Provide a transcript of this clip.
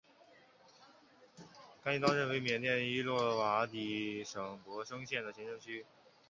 甘基当镇为缅甸伊洛瓦底省勃生县的行政区。